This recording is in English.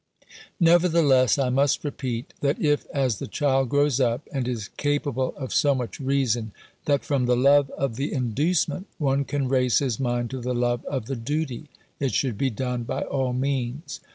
Nevertheless, I must repeat, that if, as the child grows up, and is capable of so much reason, that, from the love of the inducement, one can raise his mind to the love of the duty, it should be done by all means.